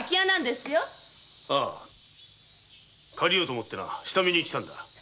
あぁ借りようと思ってな下見に来たんだ。